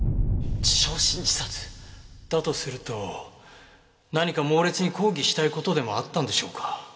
焼身自殺？だとすると何か猛烈に抗議したい事でもあったんでしょうか？